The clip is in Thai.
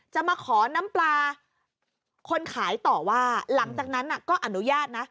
จะมาขอน้ำปลาคนขายต่อว่าหลังจากนั้นก็อนุญาตนะ